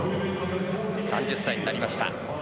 ３０歳になりました。